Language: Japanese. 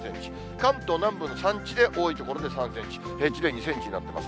関東南部の山地で多い所で３センチ、平地で２センチになってます。